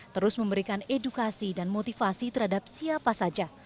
terus memberikan edukasi dan motivasi terhadap siapa saja